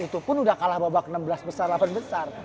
itu pun udah kalah babak enam belas besar delapan besar